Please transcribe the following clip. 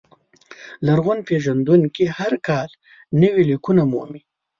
لرغون پېژندونکي هر کال نوي لیکونه مومي.